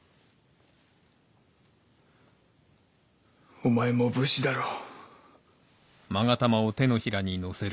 お前も武士だろう。